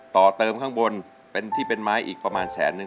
ต่อเติมข้างบนเป็นที่เป็นไม้อีกประมาณแสนนึง